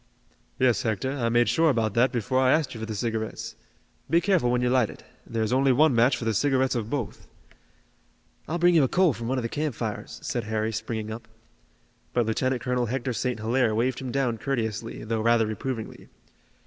"Yes, Hector, I made sure about that before I asked you for the cigarettes. Be careful when you light it. There is only one match for the cigarettes of both." "I'll bring you a coal from one of the campfires," said Harry, springing up. But Lieutenant Colonel Hector St. Hilaire waved him down courteously, though rather reprovingly.